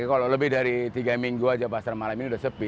kalau lebih dari tiga minggu aja pasar malam ini sudah sepi